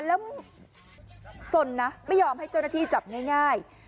แล้วสนนะไม่ยอมให้เจ้าหน้าที่จับง่าย